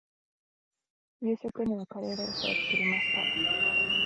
夕食にはカレーライスを作りました。